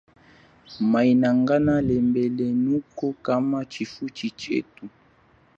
Mianangana lembelenuko kama chifuchi chethu.